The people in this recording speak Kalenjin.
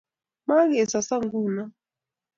Mo kei soso nguno?